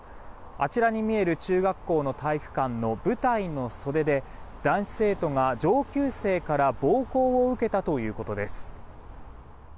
あちらに見える中学校の体育館の舞台の袖で男子生徒が上級生から暴行を受けたということです。